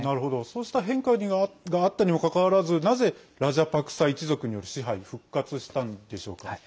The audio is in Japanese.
そうした変化があったにもかかわらずなぜラジャパクサ一族による支配復活したんでしょうか。